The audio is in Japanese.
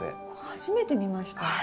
初めて見ました。